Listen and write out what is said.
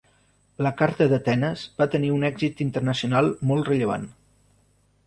La Carta d'Atenes va tenir un èxit internacional molt rellevant.